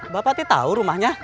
bapak t tau rumahnya